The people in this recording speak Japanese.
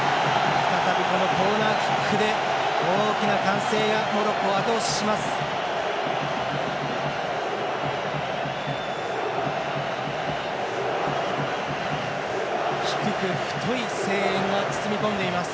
再びこのコーナーキックで大きな歓声がモロッコをあと押しします。